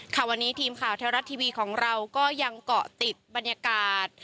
ค่ะวันนี้ทีมข่าวเทวรัฐทีวีของเราก็ยังเกาะติดบรรยากาศ